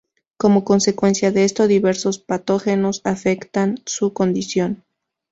Como consecuencia de esto, diversos patógenos afectan su condición.